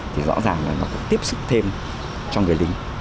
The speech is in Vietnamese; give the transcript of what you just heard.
thì rõ ràng là nó cũng tiếp xúc thêm trong người lính